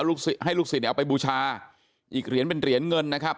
ให้ลูกศิษย์เอาไปบูชาอีกเหรียญเป็นเหรียญเงินนะครับ